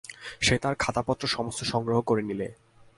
সে তার খাতাপত্র সমস্ত সংগ্রহ করে নিলে।